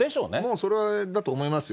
それはそうだと思いますよ。